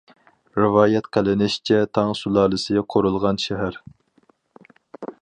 رىۋايەت قىلىنىشىچە تاڭ سۇلالىسى قۇرۇلغان شەھەر.